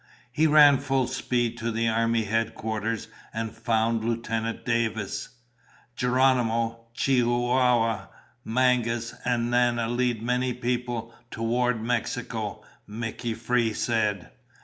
He ran full speed to the army headquarters and found Lieutenant Davis. "Geronimo, Chihuahua, Mangas, and Nana lead many people toward Mexico," Mickey Free said.